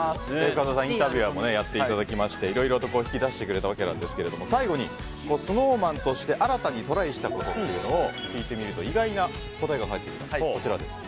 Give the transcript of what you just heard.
深澤さん、インタビュアーもやっていただきましていろいろと聞き出してくれたわけなんですが最後にＳｎｏｗＭａｎとして新たにトライしたいことを聞いてみると意外な答えが返ってきました。